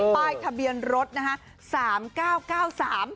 ป้ายทะเบียนรถนะฮะ